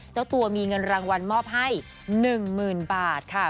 เจ้าตัวมีเงินรางวัลมอบให้๑๐๐๐บาทค่ะ